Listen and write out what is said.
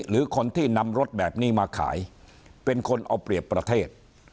หรือคนที่นำรถแบบนี้มาขายเป็นคนเอาเปรียบประเทศ